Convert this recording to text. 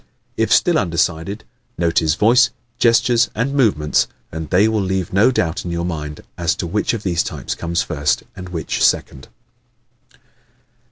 If still undecided, note his voice, gestures and movements and they will leave no doubt in your mind as to which of these types comes first and which second.